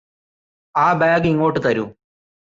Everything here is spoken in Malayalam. ആ ബാഗ് ഇങ്ങോട്ട് തരൂ